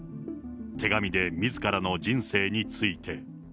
手紙でみずからの人生について。